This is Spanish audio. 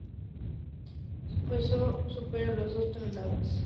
Su peso supera las dos toneladas.